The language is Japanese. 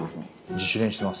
自主練してます。